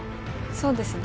そうですね